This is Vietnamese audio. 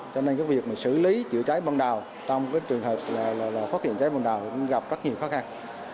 cho nên việc xử lý chữa cháy băng đào trong trường hợp phát hiện cháy băng đào cũng gặp rất nhiều khó khăn